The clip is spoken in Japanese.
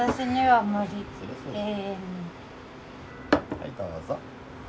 はいどうぞ。